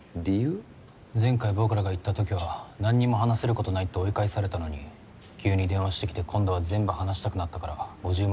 前回僕らが行ったときは何にも話せることないって追い返されたのに急に電話してきて今度は全部話したくなったから５０万